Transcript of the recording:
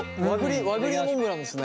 和栗モンブランですね。